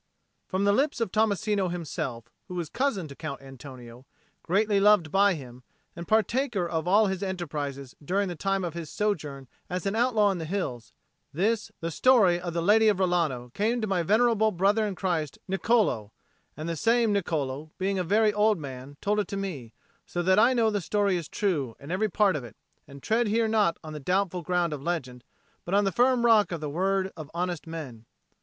From the lips of Tommasino himself, who was cousin to Count Antonio, greatly loved by him, and partaker of all his enterprises during the time of his sojourn as an outlaw in the hills, this, the story of the Lady of Rilano, came to my venerable brother in Christ, Niccolo; and the same Niccolo, being a very old man, told it to me, so that I know that the story is true and every part of it, and tread here not on the doubtful ground of legend, but on the firm rock of the word of honest men.